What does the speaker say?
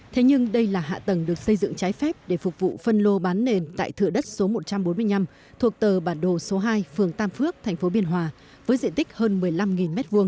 thế nhưng đây là hạ tầng được xây dựng trái phép để phục vụ phân lô bán nền tại thựa đất số một trăm bốn mươi năm thuộc tờ bản đồ số hai phường tam phước thành phố biên hòa với diện tích hơn một mươi năm m hai